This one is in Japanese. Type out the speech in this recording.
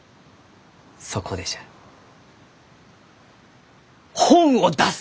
そこでじゃ本を出す！